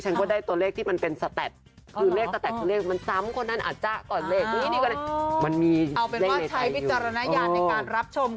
อย่าไปมา